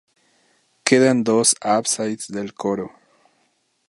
Quedan dos ábsides del coro.